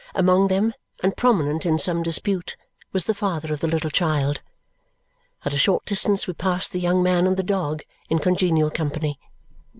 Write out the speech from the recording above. Among them, and prominent in some dispute, was the father of the little child. At a short distance, we passed the young man and the dog, in congenial company.